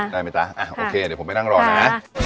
ได้ไหมจ๊ะโอเคเดี๋ยวผมไปนั่งรอนะ